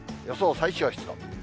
予想最小湿度。